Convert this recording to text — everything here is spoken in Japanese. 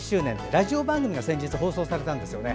ラジオ番組が先日放送されたんですよね。